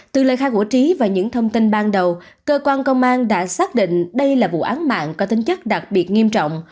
từ lời khai của trí và những thông tin ban đầu cơ quan công an đã xác định đây là vụ án mạng có tính chất đặc biệt nghiêm trọng